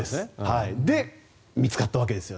で、見つかったわけです。